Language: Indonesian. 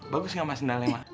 bagus gak emak sendalanya emak